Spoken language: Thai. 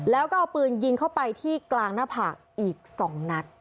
แล้วก็เอาปืนยิงเข้าไปที่กลางหน้าผากอีก๒นัด